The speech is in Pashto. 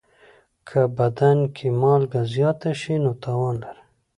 که بدن کې مالګه زیاته شي، نو تاوان لري.